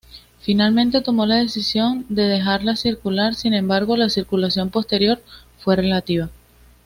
Finalmente tomó la decisión de dejarla circular, sin embargo, la circulación posterior fue relativa.